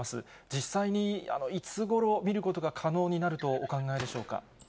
実際にいつごろ見ることが可能になるとお考えでしょうか。